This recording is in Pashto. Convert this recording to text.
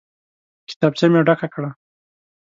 کتابچه مې ډکه کړه.